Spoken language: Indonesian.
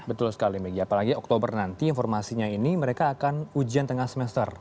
betul sekali megi apalagi oktober nanti informasinya ini mereka akan ujian tengah semester